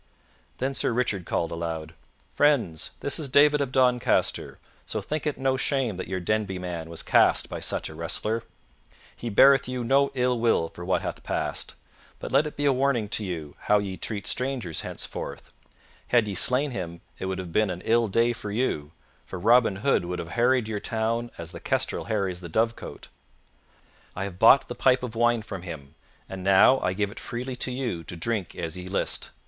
Then Sir Richard called aloud, "Friends, this is David of Doncaster; so think it no shame that your Denby man was cast by such a wrestler. He beareth you no ill will for what hath passed, but let it be a warning to you how ye treat strangers henceforth. Had ye slain him it would have been an ill day for you, for Robin Hood would have harried your town as the kestrel harries the dovecote. I have bought the pipe of wine from him, and now I give it freely to you to drink as ye list.